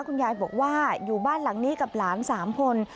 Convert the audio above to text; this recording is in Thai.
คุณยายบอกว่าอยู่บ้านหลังนี้กับหลาน๓คน